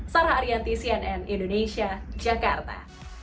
sarah ariyanti cnn indonesia jakarta